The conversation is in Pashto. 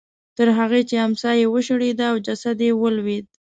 تر هغې چې امسا یې وشړېده او جسد یې ولوېد.